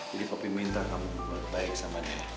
jadi papi minta kamu baik sama dia